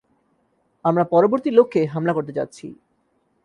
আমরা পরবর্তী লক্ষ্যে হামলা করতে যাচ্ছি।